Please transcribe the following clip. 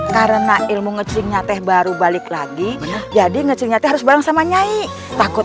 karena ilmu ngecil nyate baru balik lagi jadi ngecil nyate harus bareng sama nyai takut